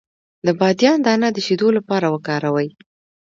د بادیان دانه د شیدو لپاره وکاروئ